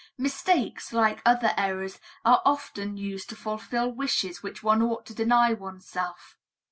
Mistakes, like other errors, are often used to fulfill wishes which one ought to deny oneself.